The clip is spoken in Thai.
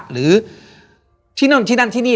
หรือที่นู่นที่นั่นที่นี่